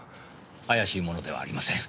怪しい者ではありません。